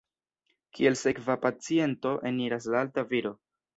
Kiel sekva paciento eniras la alta viro.